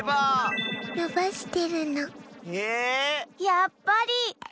やっぱり！